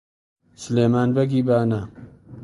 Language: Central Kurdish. سلێمان بەگی بانە